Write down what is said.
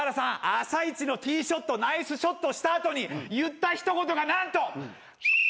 朝一のティーショットナイスショットした後に言った一言が何と。